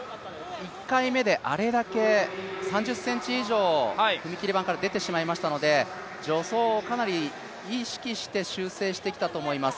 １回目であれだけ３０ｃｍ以上、踏切板から出てしまいましたので、助走をかなり意識して修正してきたと思います。